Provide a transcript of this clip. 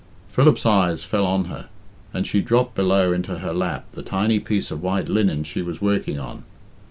Philip's eyes fell on her, and she dropped below into her lap the tiny piece of white linen she was working on.